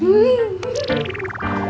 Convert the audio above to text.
mereka masih siap